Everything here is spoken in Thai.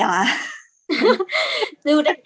ผลงานของจันจิหรอ